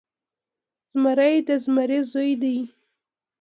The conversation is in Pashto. زمری د زمري زوی دی.